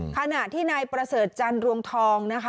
ขณะที่นายประเสริฐจันรวงทองนะคะ